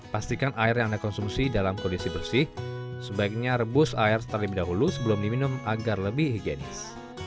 pastikan air yang anda konsumsi dalam kondisi bersih sebaiknya rebus air terlebih dahulu sebelum diminum agar lebih higienis